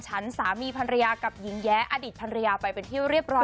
ฉันสามีพันเรียกับหญิงแยะอดิตพันเรียไปเป็นที่เรียบร้อยแล้ว